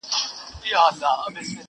چي زه نه یم په جهان کي به تور تم وي!!